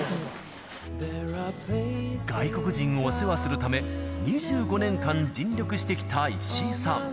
外国人をお世話するため、２５年間尽力してきた石井さん。